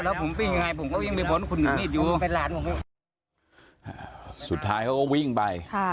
แล้วผมวิ่งยังไงผมก็วิ่งไปพ้นคุณมีดอยู่สุดท้ายเขาก็วิ่งไปค่ะ